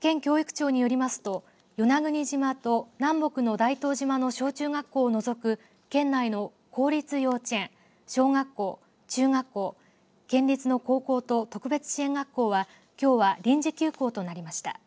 県教育長によりますと与那国島と南北の大東島の小中学校を除く県内の公立幼稚園小学校、中学校県立の高校と特別支援学校はきょうは臨時休校となりました。